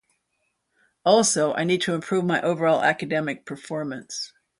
Also, I need to improve my overall academic performance.